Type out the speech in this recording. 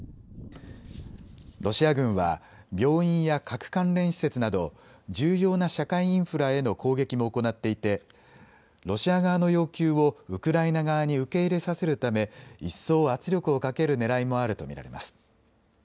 ロシア軍は病院や核関連施設など重要な社会インフラへの攻撃も行っていてロシア側の要求をウクライナ側に受け入れさせるため一層圧力をかけるねらいもあると見られます。